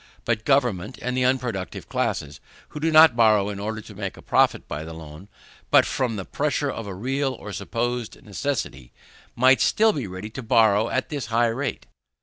But government, and the unproductive classes, who do not borrow in order to make a profit by the loan, but from the pressure of a real or supposed necessity, might still be ready to borrow at this high rate.